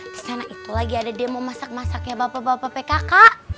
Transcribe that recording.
di sana itu lagi ada demo masak masaknya bapak bapak pkk